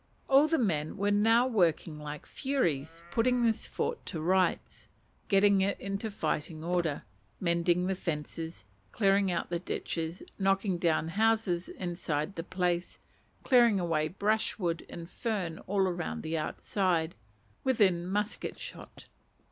All the men were now working like furies, putting this fort to rights, getting it into fighting order, mending the fences, clearing out the ditches, knocking down houses inside the place, clearing away brushwood and fern all around the outside within musket shot.